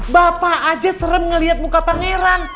bapak aja serem ngeliat muka pangeran